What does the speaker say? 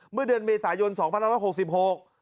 เมื่อเดือนเมษายนสองพันร้อยหกสิบหก